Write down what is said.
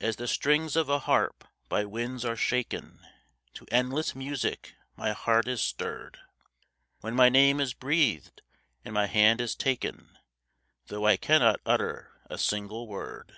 As the strings of a harp by winds are shaken, To endless music my heart is stirred, When my name is breathed and my hand is taken, Though I cannot utter a single word.